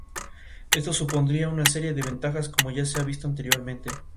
Hunsrück tiene su continuación con las montañas Taunus en el lado oriental del Rin.